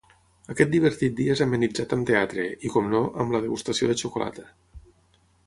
Aquest divertit dia és amenitzat amb teatre, i com no, amb la degustació de xocolata.